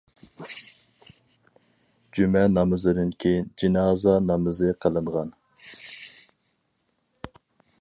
جۈمە نامىزىدىن كېيىن جىنازا نامىزى قىلىنغان.